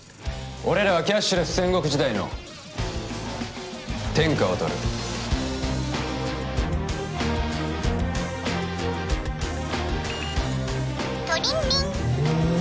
俺らはキャッシュレス戦国時代の天下を取るトリンリンおおっ！